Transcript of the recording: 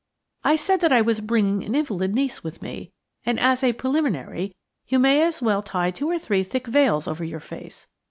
I said that I was bringing an invalid niece with me, and, as a preliminary, you may as well tie two or three thick veils over your face.